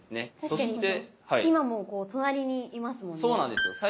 確かに今もこう隣にいますもんね。